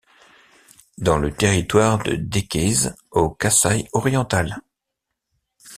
Dans le territoire de Dekese au Kasaï-Occidental.